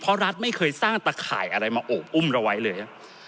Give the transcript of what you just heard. เพราะรัฐไม่เคยสร้างตะข่ายอะไรมาโอบอุ้มเราไว้เลย